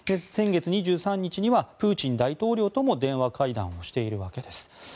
先月２３日にはプーチン大統領とも電話会談をしているわけです。